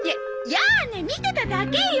やあね見てただけよ！